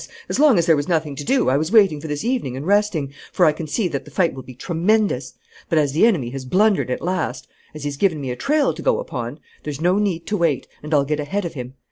As long as there was nothing to do I was waiting for this evening and resting, for I can see that the fight will be tremendous. But, as the enemy has blundered at last, as he's given me a trail to go upon, there's no need to wait, and I'll get ahead of him.